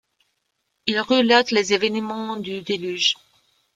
Il relate les événements du Déluge.